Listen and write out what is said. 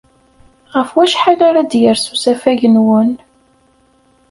Ɣef wacḥal ara d-yers usafag-nwen?